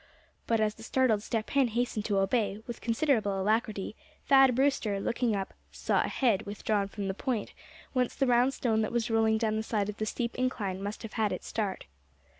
But as the startled Step Hen hastened to obey, with considerable alacrity, Thad Brewster, looking up, saw a head withdrawn from the point whence the round stone that was rolling down the side of the steep incline must have had its start.